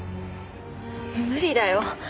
無理だよ。